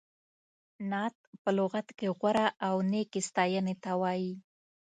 نعت په لغت کې غوره او نېکې ستایینې ته وایي.